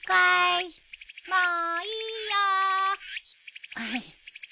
・もういいよ。